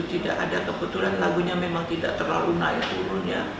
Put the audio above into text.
tidak ada kebetulan lagunya memang tidak terlalu naik turunnya